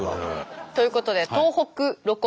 ということで東北ロコ